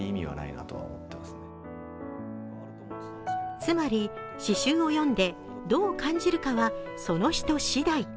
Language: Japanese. つまり詩集を読んでどう感じるかはその人しだい。